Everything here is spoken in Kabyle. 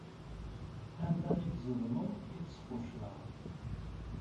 Anda i d-zedmeḍ, i d-squcceḍeɣ.